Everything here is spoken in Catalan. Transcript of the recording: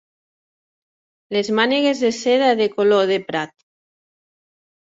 Les mànegues de seda de color de prat